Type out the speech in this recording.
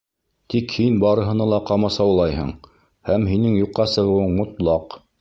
Тик һин барыһына ла ҡамасаулайһың, һәм һинең юҡҡа сығыуың мотлаҡ.